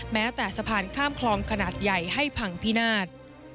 แม้แต่สะพานข้ามคลองขนาดใหญ่ให้พังพินาศ